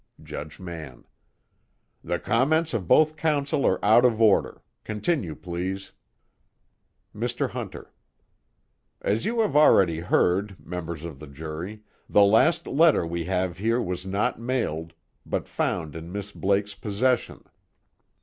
JUDGE MANN: The comments of both counsel are out of order. Continue, please. MR. HUNTER: As you have already heard, members of the jury, the last letter we have here was not mailed, but found in Miss Blake's possession.